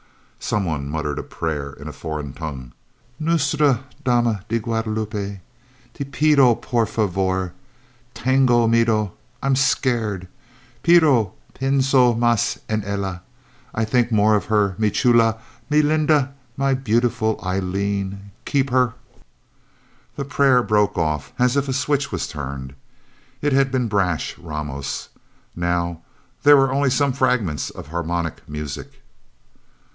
Someone muttered a prayer in a foreign tongue: "... Nuestra Dama de Guadalupe te pido, por favor... Tengo miedo I'm scared... Pero pienso mas en ella I think more of her. Mi chula, mi linda... My beautiful Eileen... Keep her " The prayer broke off, as if a switch was turned. It had been brash Ramos... Now there were only some fragments of harmonica music...